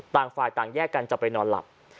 ต่างฝ่ายต่างแยกกันจะไปนอนหลับ